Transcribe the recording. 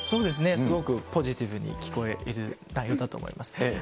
すごくポジティブに聞こえてる内容だと思います。